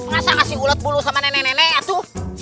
masa ngasih ulat bulu sama nenek nenek atu